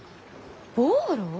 ボーロ？